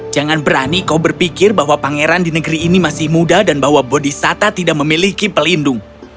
jangan berani kau berpikir bahwa pangeran di negeri ini masih muda dan bahwa bodi sata tidak memiliki pelindung